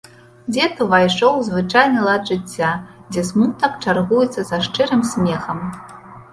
Дзед увайшоў у звычайны лад жыцця, дзе смутак чаргуецца са шчырым смехам.